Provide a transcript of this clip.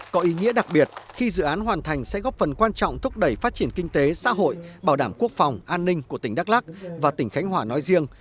có ý nghĩa đặc biệt khi dự án hoàn thành sẽ góp phần quan trọng thúc đẩy phát triển kinh tế xã hội bảo đảm quốc phòng an ninh của tỉnh đắk lắc và tỉnh khánh hòa nói riêng